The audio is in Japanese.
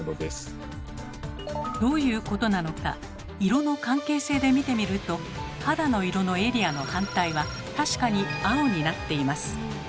どういうことなのか色の関係性で見てみると肌の色のエリアの反対は確かに青になっています。